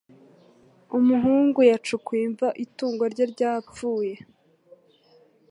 Umuhungu yacukuye imva itungo rye ryapfuye